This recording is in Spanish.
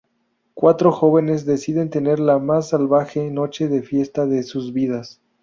Cuatro jóvenes deciden tener la más salvaje noche de fiesta de sus vidas.